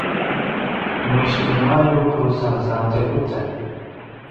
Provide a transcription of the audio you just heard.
mishki mayu crusan santiaguta